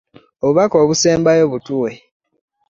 Obubaka bwo obusembayo butuwe.